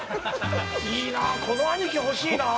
いいなあ、この兄貴、欲しいなあ。